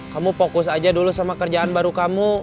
kamu fokus aja dulu sama kerjaan baru kamu